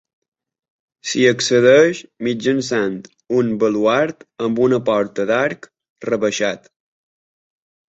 S'hi accedeix mitjançant un baluard amb una porta d'arc rebaixat.